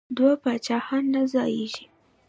دوه پاچاهان نه ځاییږي.